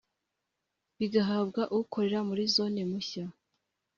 bigahabwa ukorera muri Zone mushya